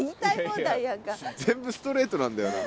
全部ストレートなんだよな。